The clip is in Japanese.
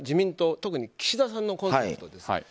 特に岸田さんのコンセプトです。